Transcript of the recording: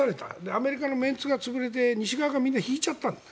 アメリカのメンツが潰れて西側がみんな引いちゃったんです。